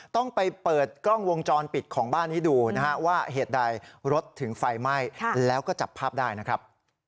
ต้องไปเปิดกล้องวงจรปิดของีดูนะครับแล้วจะจัดภาพได้นะครับ